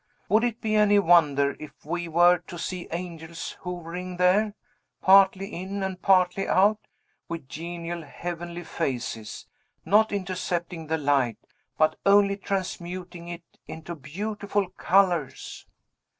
Would it be any wonder if we were to see angels hovering there, partly in and partly out, with genial, heavenly faces, not intercepting the light, but only transmuting it into beautiful colors?